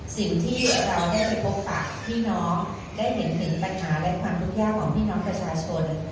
สิ่งที่เราได้ไปพบปากพี่น้องได้เห็นถึงปัญหาและความทุกข์ยากของพี่น้องประชาชน